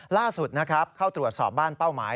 ล่าสุดนะครับเข้าตรวจสอบบ้านเป้าหมาย